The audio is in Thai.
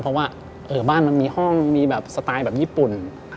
เพราะว่าบ้านมันมีห้องมีแบบสไตล์แบบญี่ปุ่น